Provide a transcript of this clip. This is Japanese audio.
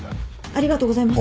ありがとうございます。